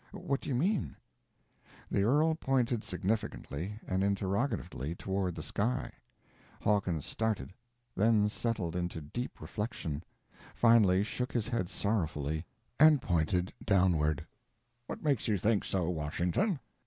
What do you mean?" The earl pointed significantly—and interrogatively toward the sky. Hawkins started; then settled into deep reflection; finally shook his head sorrowfully and pointed downwards. "What makes you think so, Washington?"